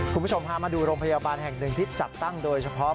คุณผู้ชมพามาดูโรงพยาบาลแห่งหนึ่งที่จัดตั้งโดยเฉพาะ